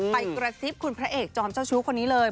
ไปกระซิบคุณพระเอกจอมเจ้าชู้คนนี้เลย